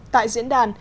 tại diễn đàn